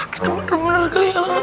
kita bener bener kelihatan